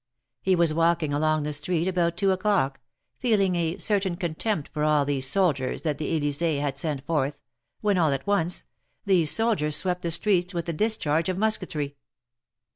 He was walking along the street. THE MARKETS OP PARIS. 31 about two o'clock, feeling a certain contempt for all these soldiers that the Elys6e had sent forth, when all at once, these soldiers swept the streets with a discharge of musketry.